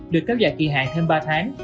được kéo dài kỳ hạn thêm ba tháng